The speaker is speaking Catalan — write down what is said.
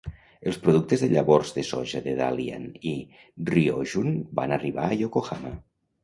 Els productes de llavors de soja de Dalian i Ryojun van arribar a Yokohama.